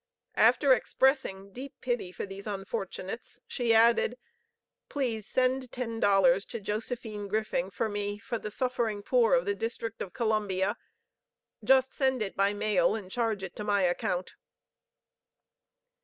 After expressing deep pity for these unfortunates, she added: "Please send ten dollars to Josephine Griffing for me for the suffering poor of the District of Columbia. Just send it by mail, and charge to my account."